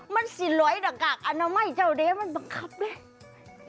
มันสิลอยหน้ากากอนามัยเจ้าเดมันบังคับเลย